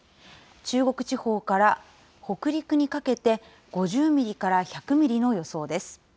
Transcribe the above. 中国地方から北陸にかけて、５０ミリから１００ミリの予想です。